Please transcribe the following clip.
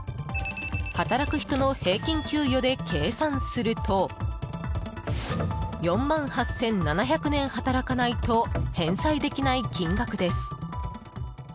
働く人の平均給与で計算すると４万８７００年働かないと返済できない金額です。